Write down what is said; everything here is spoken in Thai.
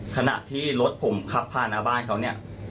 ขณะที่รถผมขับผ่านหน้าบ้านเขาเนี่ย